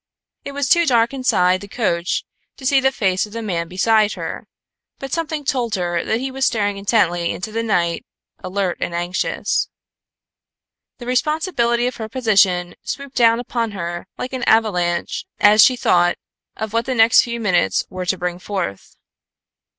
It was too dark inside the coach to see the face of the man beside her, but something told her that he was staring intently into the night, alert and anxious. The responsibility of her position swooped down upon her like an avalanche as she thought of what the next few minutes were to bring forth.